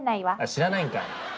知らないんかい！